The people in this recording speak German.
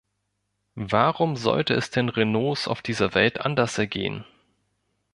Warum sollte es den Renaults auf dieser Welt anders ergehen?